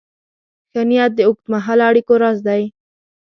ښه نیت د اوږدمهاله اړیکو راز دی.